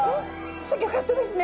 すギョかったですね。